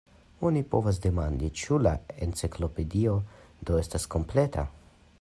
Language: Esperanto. Oni povas demandi, ĉu la Enciklopedio do estas kompleta?